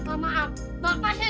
ya makasih ya